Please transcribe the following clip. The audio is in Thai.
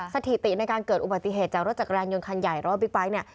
สถิติในการเกิดอุบัติเหตุจักรยานยนต์ขนาดใหญ่แล้วว่าบิ๊กไบท์เนี่ย